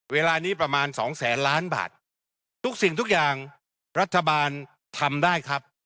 เวลานี้ประมาณสองแสนล้านบาททุกสิ่งทุกอย่างรัฐบาลทำได้ครับ